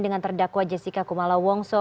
dengan terdakwa jessica kumala wongso